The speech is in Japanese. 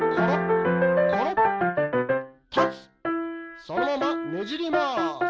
そのままねじりまーす。